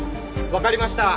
分かりました！